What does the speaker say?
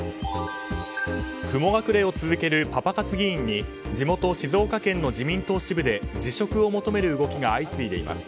雲隠れを続けるパパ活議員に地元・静岡県の自民党支部で辞職を求める動きが相次いでいます。